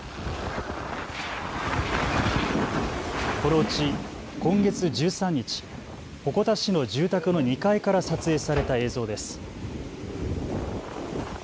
このうち今月１３日、鉾田市の住宅の２階から撮影された映像です。